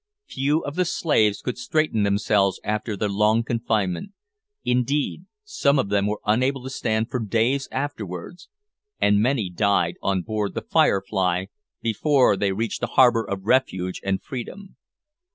Few of the slaves could straighten themselves after their long confinement. Indeed some of them were unable to stand for days afterwards, and many died on board the `Firefly' before they reached a harbour of refuge and freedom.